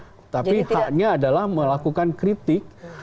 oke jadi tidak tapi haknya adalah melakukan kritik